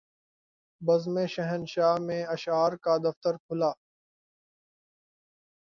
بزم شاہنشاہ میں اشعار کا دفتر کھلا